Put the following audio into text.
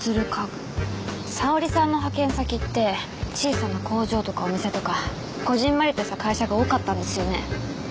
沙織さんの派遣先って小さな工場とかお店とかこぢんまりとした会社が多かったんですよね？